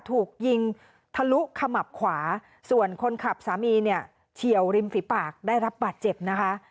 ถูกยิงทะลุขมับขวาส่วนคนขับสามีเนี่ยเฉียวริมฝีปากได้รับบาดเจ็บนะคะ